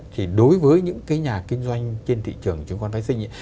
thì đối với những cái nhà kinh doanh trên thị trường chứng khoán phái xích